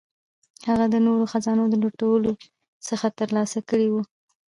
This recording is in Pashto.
هغه د نورو خزانو د لوټلو څخه ترلاسه کړي وه.